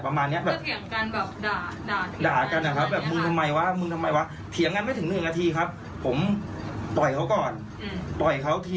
เพราะเราเถียงกับเต้ผมคือผมอยู่ตรงมอสไซค์ครับตอน